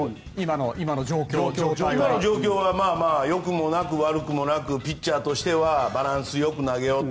良くもなく悪くもなくピッチャーとしてはバランス良く投げようと。